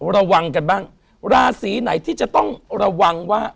ระวังกันบ้างราศีไหนที่จะต้องระวังว่า